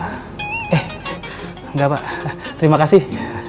eh enggak pak terima kasih